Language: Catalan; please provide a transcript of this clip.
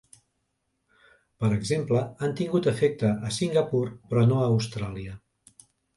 Per exemple, han tingut efecte a Singapur, però no a Austràlia.